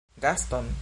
Gaston?